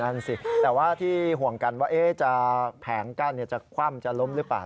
นั่นสิแต่ว่าที่ห่วงกันว่าแผงกั้นจะคว่ำจะล้มหรือเปล่า